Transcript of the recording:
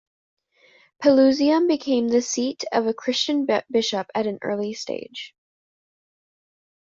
Pelusium became the seat of a Christian bishop at an early stage.